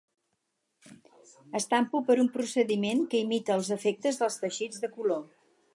Estampo per un procediment que imita els efectes dels teixits de color.